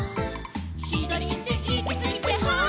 「ひだりいっていきすぎてはっ」